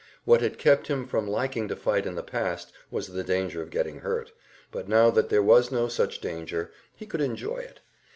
What had kept him from liking to fight in the past was the danger of getting hurt; but now that there was no such danger, he could enjoy it.